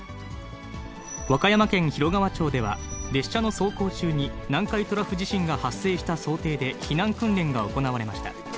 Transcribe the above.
和歌山県広川町では、列車の走行中に南海トラフ地震が発生した想定で、避難訓練が行われました。